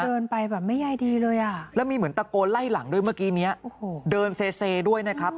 เดินไปแบบไม่ยายดีเลยอ่ะแล้วมีเหมือนตะโกนไล่หลังด้วยเมื่อกี้เนี้ยโอ้โหเดินเซเซด้วยนะครับ